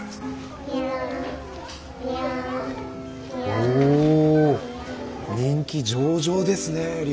お人気上々ですね竜宮城。